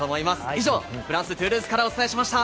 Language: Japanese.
以上フランス・トゥールーズからお伝えしました。